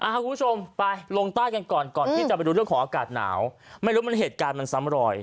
คุณผู้ชมไปลงใต้กันก่อนก่อนที่จะไปดูเรื่องของอากาศหนาวไม่รู้มันเหตุการณ์มันซ้ำรอย